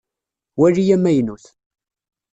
Wali amaynut.